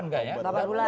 delapan gak ya